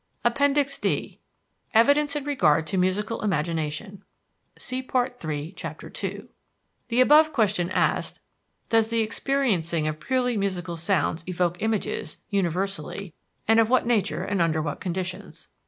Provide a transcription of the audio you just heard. APPENDIX D EVIDENCE IN REGARD TO MUSICAL IMAGINATION The question asked above, Does the experiencing of purely musical sounds evoke images, universally, and of what nature and under what conditions?